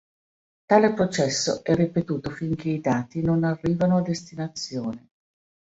Tale processo è ripetuto finché i dati non arrivano a destinazione.